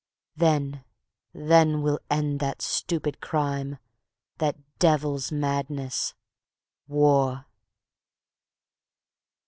... Then, then we'll end that stupid crime, that devil's madness War."